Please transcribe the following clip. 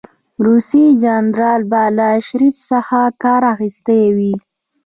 روسي جنرال به له آرشیف څخه کار اخیستی وي.